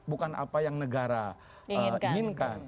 bukan apa yang negara inginkan